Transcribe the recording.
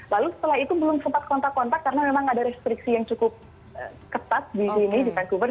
lalu setelah itu belum sempat kontak kontak karena memang ada restriksi yang cukup ketat di sini di vancouver